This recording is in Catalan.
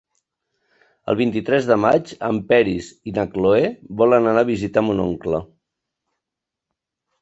El vint-i-tres de maig en Peris i na Cloè volen anar a visitar mon oncle.